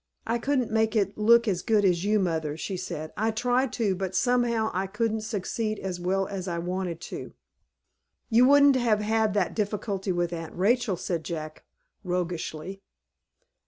"I couldn't make it look as good as you, mother," she said. "I tried to, but somehow I couldn't succeed as well as I wanted to." "You wouldn't have that difficulty with Aunt Rachel," said Jack, roguishly.